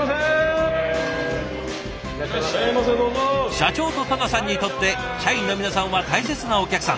社長と田名さんにとって社員の皆さんは大切なお客さん。